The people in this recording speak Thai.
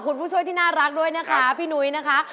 คุณผู้ช่วยที่น่ารักด้วยนะคะพี่นุ้ยนะคะ